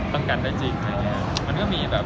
เราก็เลือกที่มันดูดีอะครับ